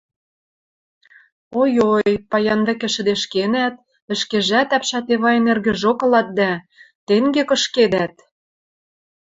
— Ой-ой, паян вӹкӹ шӹдешкенӓт, ӹшкежӓт Ӓпшӓт Эвайын эргӹжок ылат дӓ... тенге кышкедӓт!